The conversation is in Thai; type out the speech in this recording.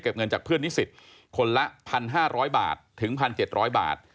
เงินจากเพื่อนนิสิตคนละ๑๕๐๐บาทถึง๑๗๐๐บาท